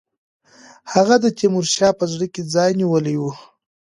هغه د تیمورشاه په زړه کې ځای نیولی وو.